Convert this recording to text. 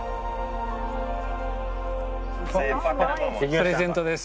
プレゼントです。